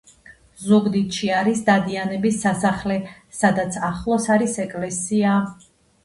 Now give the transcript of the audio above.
ზუგდიდში არის დადიანების სასახლე სადაც ახლოს არის ეკლესია